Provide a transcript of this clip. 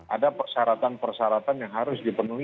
ada persyaratan persyaratan yang harus dipenuhi